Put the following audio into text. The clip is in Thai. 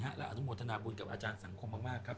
และอนุโมทนาบุญกับอาจารย์สังคมมากครับ